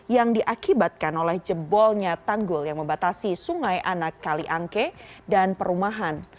yang diakibatkan oleh jebolnya tanggul yang membatasi sungai anak kaliangke dan perumahan